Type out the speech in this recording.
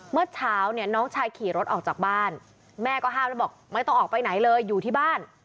เมื่อเช้าเนี่ยน้องชายขี่รถออกจากบ้านแม่ก็ห้ามแล้วบอกไม่ต้องออกไปไหนเลยอยู่ที่บ้าน